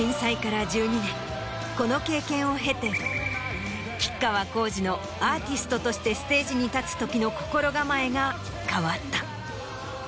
この経験を経て吉川晃司のアーティストとしてステージに立つ時の心構えが変わった。